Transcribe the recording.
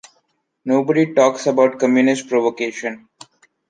Nobody talks about Communist provocation.